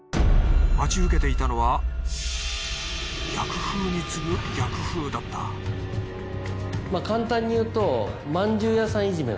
待ち受けていたのは逆風に次ぐ逆風だったまぁ簡単に言うと。